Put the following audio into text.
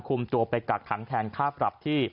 คุมตัวไปกักขังแทนค่าปรับที่